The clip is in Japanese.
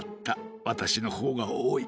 わたしのほうがおおい。